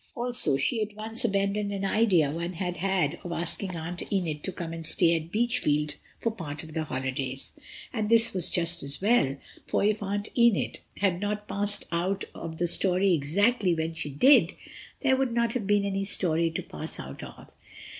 Also she at once abandoned an idea one had had of asking Aunt Enid to come and stay at Beachfield for part of the holidays; and this was just as well, for if Aunt Enid had not passed out of the story exactly when she did, there would not have been any story to pass out of.